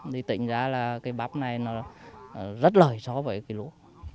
thì tỉnh ra là cái bắp này nó rất lợi so với cái lúa